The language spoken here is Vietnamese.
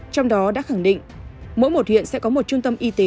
trong đó đã khẳng định mỗi một huyện sẽ có một trung tâm y tế